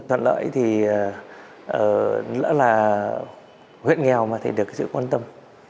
toàn lợi thì lỡ là huyện nghèo mà thì được sự quan tâm